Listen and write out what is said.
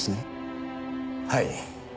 はい。